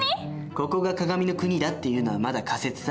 ここが鏡の国だっていうのはまだ仮説さ。